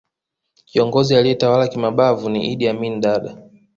kiongozi aliyetawala kimabavu ni idd amin dada